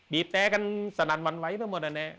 บีบแต๊กันสะดัดวันไหวทั่วหมดอ่ะเนี่ย